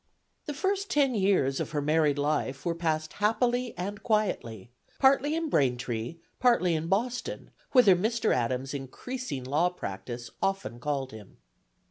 The first ten years of her married life were passed happily and quietly, partly in Braintree, partly in Boston, whither Mr. Adams' increasing law practice often called him.